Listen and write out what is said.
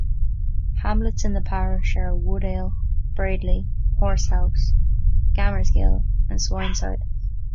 Hamlets in the parish are Woodale, Braidley, Horsehouse, Gammersgill and Swineside.